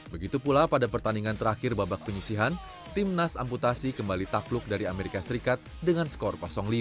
begitu pula pada pertandingan terakhir babak penyisihan tim nas amputasi kembali takluk dari amerika serikat dengan skor lima